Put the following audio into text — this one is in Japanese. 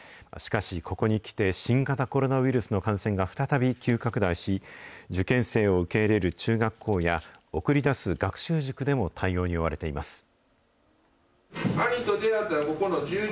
しかしここに来て、新型コロナウイルスの感染が再び急拡大し、受験生を受け入れる中学校や、送り出す学習塾でも対応に追われています。